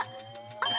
あっ。